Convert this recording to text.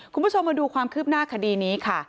คุณผู้ชมมาดูความคืบหน้าคดีนี้ค่ะ